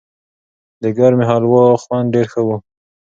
د ګرمې هلوا خوند ډېر ښه و.